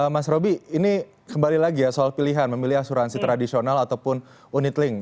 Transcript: mas roby ini kembali lagi ya soal pilihan memilih asuransi tradisional ataupun unit link